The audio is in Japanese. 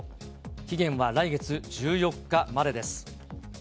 期限は来月１４日までです。